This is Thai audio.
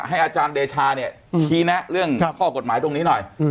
อาจารย์เดชาเนี่ยชี้แนะเรื่องข้อกฎหมายตรงนี้หน่อย